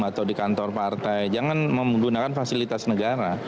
atau di kantor partai jangan menggunakan fasilitas negara